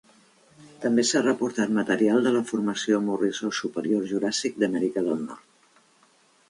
També s'ha reportat material de la Formació Morrisó Superior Juràssic d'Amèrica del Nord.